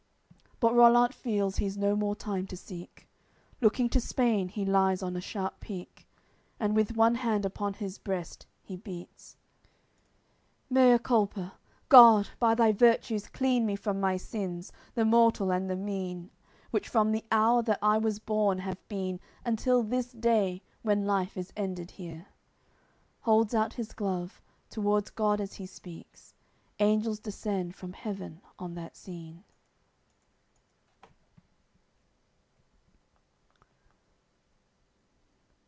AOI. CLXXV But Rollant feels he's no more time to seek; Looking to Spain, he lies on a sharp peak, And with one hand upon his breast he beats: "Mea Culpa! God, by Thy Virtues clean Me from my sins, the mortal and the mean, Which from the hour that I was born have been Until this day, when life is ended here!" Holds out his glove towards God, as he speaks Angels descend from heaven on that scene.